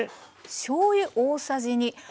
しょうゆ大さじ２。